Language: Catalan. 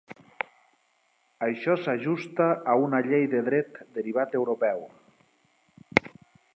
Això s'ajusta a una llei de dret derivat europeu.